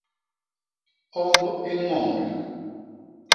Omb i ñond.